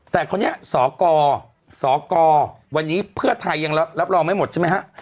แต่คราวนี้สกสกวันนี้เพื่อไทยยังรับรองไม่หมดใช่ไหมฮะ